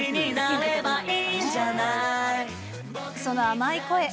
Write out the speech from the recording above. その甘い声。